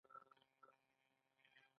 نوي بزګران له ځمکې سره وتړل شول.